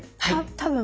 多分。